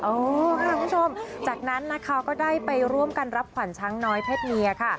ค่ะคุณผู้ชมจากนั้นนะคะก็ได้ไปร่วมกันรับขวัญช้างน้อยเพศเมียค่ะ